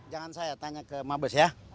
jangan saya tanya ke mabes ya